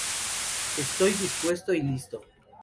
Estoy dispuesto y listo.